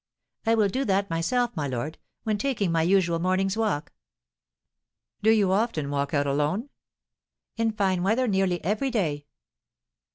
"I will do that myself, my lord, when taking my usual morning's walk." "Do you often walk out alone?" "In fine weather nearly every day."